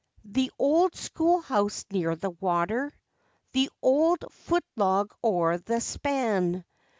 The old school house near the water? The old foot log o'er the span?